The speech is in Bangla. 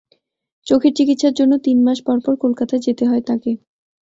চোখের চিকিৎসার জন্য তিন মাস পর পর কলকাতায় যেতে হয় তাঁকে।